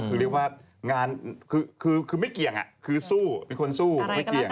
คือเรียกว่างานไม่เกียงคือสู้มีคนสู้มีคนไม่เกียง